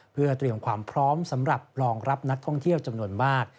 เพื่อเตรียมความพร้อมสำหรับรองรับนักท่องเที่ยวจำนวนมาก